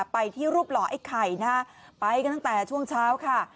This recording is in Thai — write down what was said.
ไปที่รูปหล่อไอ้ไข่นะฮะไปกันตั้งแต่ช่วงเช้าค่ะ